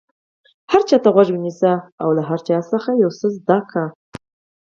هر چا ته غوږ ونیسئ او له هر چا یو څه زده کړئ.